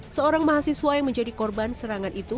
seorang mahasiswa yang menjadi korban serangan itu